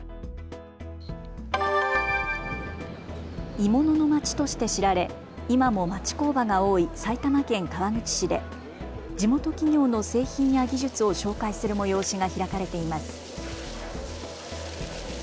鋳物のまちとして知られ今も町工場が多い埼玉県川口市で地元企業の製品や技術を紹介する催しが開かれています。